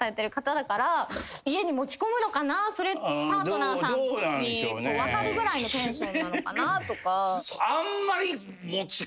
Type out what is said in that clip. パートナーさんに分かるぐらいのテンションなのかなとか。